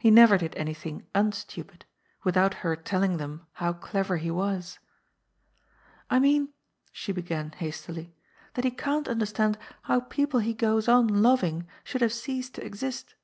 He never did anything «un stupid," without her teUing them how clever he was. " I mean," she began hastily, " that he can't understand 15 226 GOD'S FOOL. how people he goes on loving should have ceased to exist.